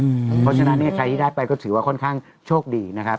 เพราะฉะนั้นใครที่ได้ไปก็ถือว่าค่อนข้างโชคดีนะครับ